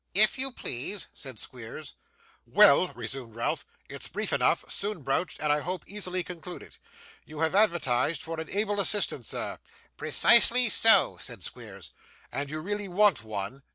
'If you please,' said Squeers. 'Well,' resumed Ralph, 'it's brief enough; soon broached; and I hope easily concluded. You have advertised for an able assistant, sir?' 'Precisely so,' said Squeers. 'And you really want one?